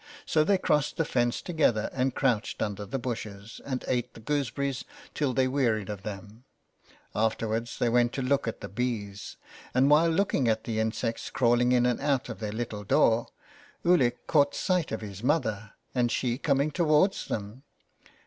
So they crossed the fence together and crouched under the bushes, and ate the gooseberries till they wearied of them Afterwards they went to look at the bees, and while looking at the insects crawling in and out of their little door, Ulick caught sight of his mother, and she coming towards them.